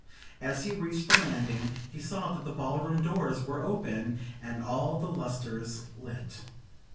As he reached the landing he saw that the ballroom doors were open and all the lustres lit.